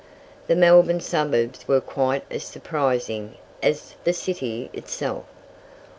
The Melbourne suburbs were quite as surprising as the city itself.